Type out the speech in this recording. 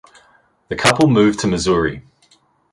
The couple moved to Missouri.